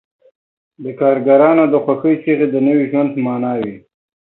د کارګرانو د خوښۍ چیغې د نوي ژوند په مانا وې